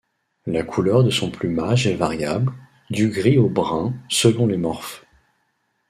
La couleur de son plumage est variable, du gris au brun selon les morphes.